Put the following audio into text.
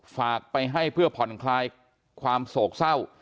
ฝากไปให้เพื่อผ่อนคลายความโศกเศร้า